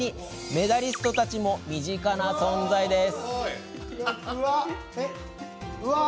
メダリストたちも身近な存在です。